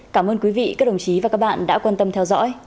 cảm ơn quý vị các đồng chí và các bạn đã quan tâm theo dõi